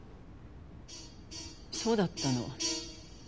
そうだったの。